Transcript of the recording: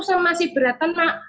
sama masih beratan mak